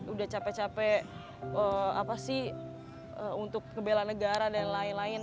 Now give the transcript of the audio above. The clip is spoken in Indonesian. udah capek capek untuk kebelan negara dan lain lain